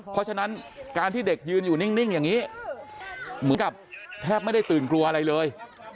เพราะฉะนั้นการที่เด็กยืนอยู่นิ่งอย่างนี้เหมือนกับแทบไม่ได้ตื่นกลัวอะไรเลย